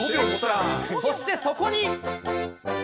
そしてそこに。